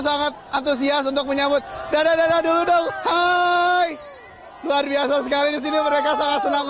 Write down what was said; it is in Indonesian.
sangat antusias untuk menyambut dadah dadah duduk hai luar biasa sekali di sini mereka sangat senang